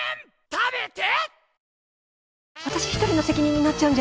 食べて！